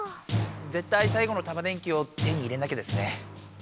ぜったいさい後のタマ電Ｑを手に入れなきゃですね。